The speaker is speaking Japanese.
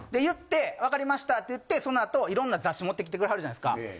言ってわかりましたって言ってそのあと色んな雑誌持ってきてくれはるじゃないですか。